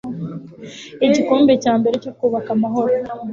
igikombe cya mbere cyo kubaka amahoro